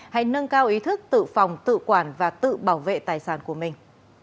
hãy nâng cao ý thức tự phòng tự quản và tự bảo vệ tài sản của mình